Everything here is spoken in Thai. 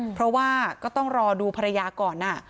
เพราะว่าก็ต้องรอดูภรรยาก่อน